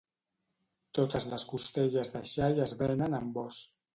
Totes les costelles de xai es venen amb os.